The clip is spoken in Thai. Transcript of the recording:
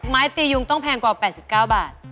ไม้ตียุงต้องแพงกว่า๘๙บาท